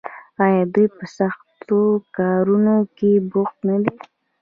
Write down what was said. آیا دوی په سختو کارونو کې بوخت نه دي؟